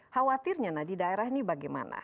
khawatirnya nah di daerah ini bagaimana